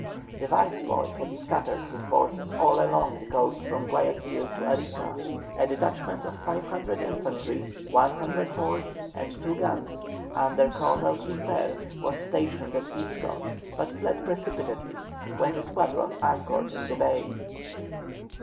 The Viceroy had scattered his forces all along the coast from Guayaquil to Arica. A detachment of 500 infantry, 100 horse, and two guns, under Colonel Quimper, was stationed at Pisco, but fled precipitately when the squadron anchored in the bay.